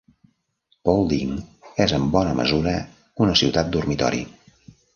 Paulding és en bona mesura una ciutat dormitori.